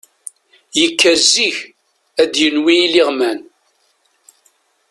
Yekker zik ad d-yelwi iniɣman.